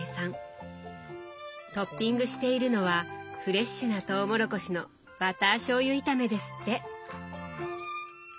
トッピングしているのはフレッシュなとうもろこしのバターしょうゆ炒めですって。